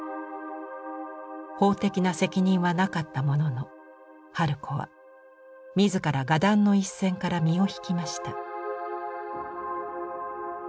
法的な責任はなかったものの春子は自ら画壇の一線から身を引きました。